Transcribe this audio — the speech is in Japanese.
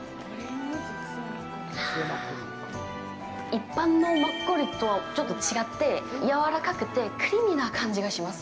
一般のマッコリとはちょっと違ってやわらかくてクリーミーな感じがします。